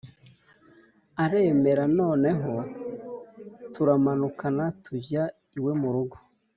, aremera noneho! Turamanukana tujya iwe murugo